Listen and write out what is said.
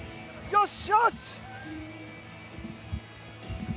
よし！